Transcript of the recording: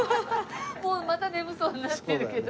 もうまた眠そうになってるけど。